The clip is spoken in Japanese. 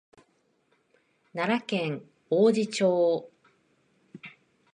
奈良県王寺町